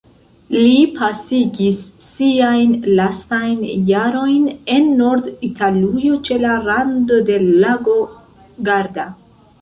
Li pasigis siajn lastajn jarojn en Nord-Italujo ĉe la rando de lago Garda.